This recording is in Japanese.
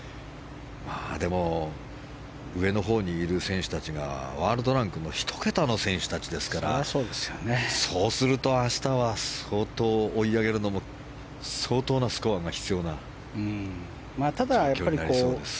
でも上のほうにいる選手たちがワールドランク１桁の選手たちですからそうすると、明日は追い上げるのも相当なスコアが必要な状況になりそうです。